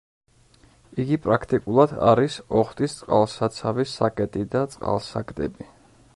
იგი პრაქტიკულად არის ოხტის წყალსაცავის საკეტი და წყალსაგდები.